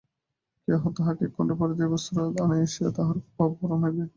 কেহ তাহাকে একখণ্ড পরিধেয় বস্ত্র দিবে, অনায়াসে তাহার অভাবপূরণ হইবে।